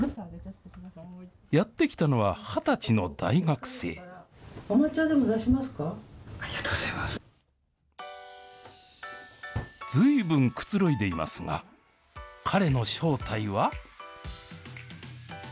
やって来たのは２０歳の大学ずいぶんくつろいでいますが、彼の正体は。